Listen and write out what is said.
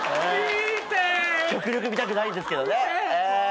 極力見たくないんですけどね。